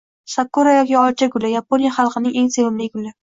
Sakura yoki olcha guli Yaponiya xalqining eng sevimli guli